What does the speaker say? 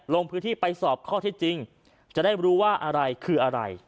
ลงพื้นที่ไปสอบข้อที่จริงจะได้รู้ว่าอะไรคืออะไร